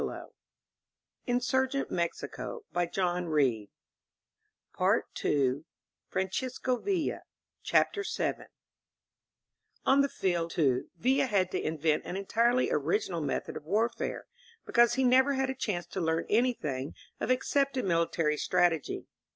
189 INSURGENT MEXICO CHAPTER VII THE RULES OF WAR ON the field, too, Villa had to invent an entirely original method of warfare, because he never had a chance to learn anything of accepted military strategy.